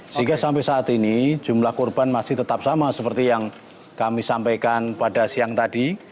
sehingga sampai saat ini jumlah korban masih tetap sama seperti yang kami sampaikan pada siang tadi